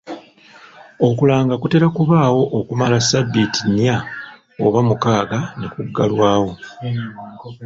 Okulanga kutera kubaawo okumala sabbiiti nnya oba mukaaga ne kuggalwawo.